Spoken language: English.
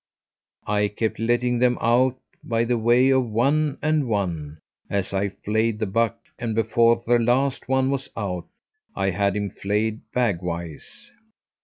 I kept letting them out by the way of one and one, as I flayed the buck, and before the last one was out I had him flayed bag wise.